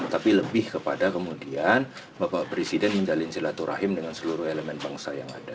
tapi lebih kepada kemudian bapak presiden menjalin silaturahim dengan seluruh elemen bangsa yang ada